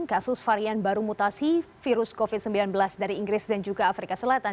kasus varian baru mutasi virus covid sembilan belas dari inggris dan juga afrika selatan